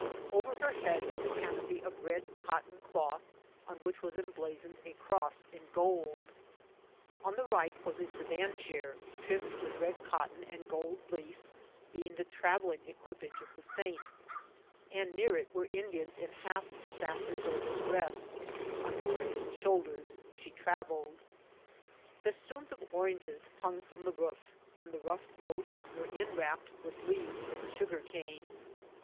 Over her head was a canopy of red cotton cloth, on which was emblazoned a cross in gold. On the right was a sedan chair, trimmed with red cotton and gold leaf, being the travelling equipage of the saint ; and near it were Indians in half saoerdotal dress, on whose shoul* ders she travelled ; festoons of oranges hung from the roof, and the rough posts were inwrapped with leaves ot the 8Ugar <3ane.